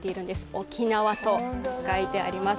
沖縄と書いてあります。